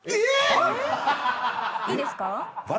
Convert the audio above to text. え⁉いいですか？